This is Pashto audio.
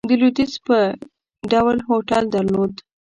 د لوېدیځ په ډول هوټل درلود.